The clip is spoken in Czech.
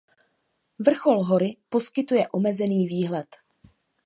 Vrchol hory poskytuje omezený výhled.